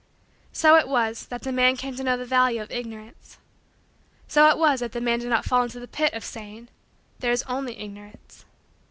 So it was that the man came to know the value of Ignorance. So it was that the man did not fall into the pit of saying: "There is only Ignorance."